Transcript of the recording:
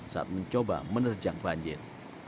saat mencoba menerjang banjir